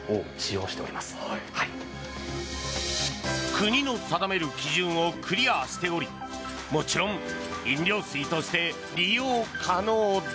国の定める基準をクリアしておりもちろん飲料水として利用可能だ。